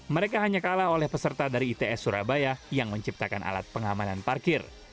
mereka hanya kalah oleh peserta dari its surabaya yang menciptakan alat pengamanan parkir